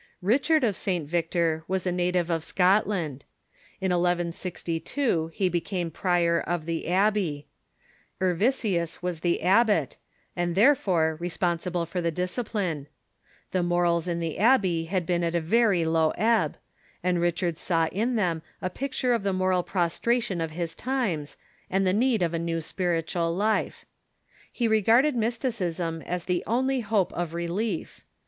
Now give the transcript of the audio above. Richard of St. Victor was a native of Scotland, In 1162 he became prior of the abbey. Ervisius was the abbot, and there fore responsible for the discipline. The morals in the Richard of j^i^j^py ]^r^^ bcen at a verv low ebb, and Richard saw St. Victor •'•'.„,. in them a picture of the moral prostration of his times, and the need of a new spiritual life. He regarded mys ticism as the only hope of relief.